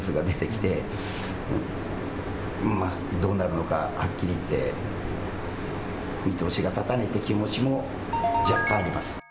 どうなるのかはっきり言って見通しが立たないという気持ちも若干あります。